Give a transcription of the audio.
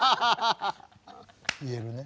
言えるね。